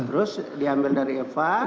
terus diambil dari epa